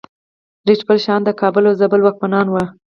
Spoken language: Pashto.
رتبیل شاهان د کابل او زابل واکمنان وو